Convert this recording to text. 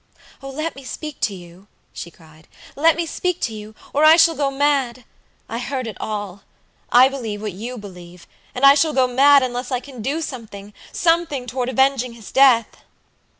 "Oh, let me speak to you," she cried"let me speak to you, or I shall go mad. I heard it all. I believe what you believe, and I shall go mad unless I can do somethingsomething toward avenging his death."